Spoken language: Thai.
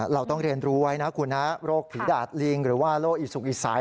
เราต้องเรียนรู้ไว้นะรกฝีดาษลิงหรือว่าโรคอีสุกอีใส